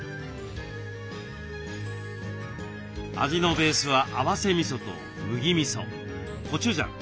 味のベースは合わせみそと麦みそコチュジャン。